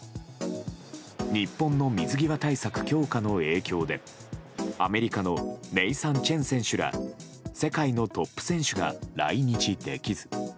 日本の水際対策強化の影響でアメリカのネイサン・チェン選手ら世界のトップ選手が来日できず。